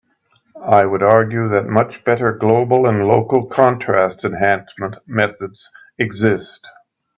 I would argue that much better global and local contrast enhancement methods exist.